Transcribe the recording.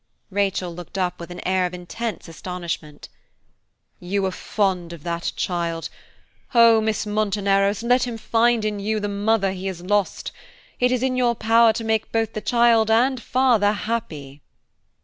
Rachel looked up with an air of intense astonishment. "You are fond of that child–oh! Miss Monteneros, let him find in you the mother he has lost. It is in your power to make both the child and father happy."